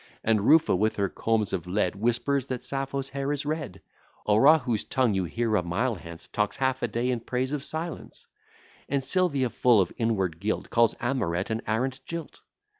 And Rufa, with her combs of lead, Whispers that Sappho's hair is red: Aura, whose tongue you hear a mile hence, Talks half a day in praise of silence; And Sylvia, full of inward guilt, Calls Amoret an arrant jilt.